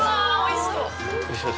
うわおいしそう！